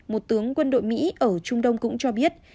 một tướng quân đội mỹ ở trung đông cũng cho biết